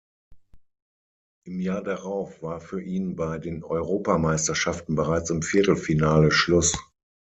Im Jahr darauf war für ihn bei den Europameisterschaften bereits im Viertelfinale schluss.